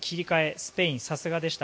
スペイン、さすがでした。